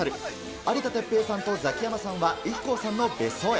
有田哲平さんとザキヤマさんはＩＫＫＯさんの別荘へ。